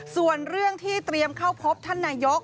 ส่วนเรื่องที่เตรียมเข้าพบท่านนายก